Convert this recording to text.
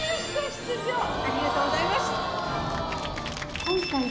出場ありがとうございます。